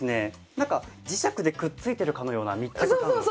なんか磁石でくっついてるかのような密着感があります。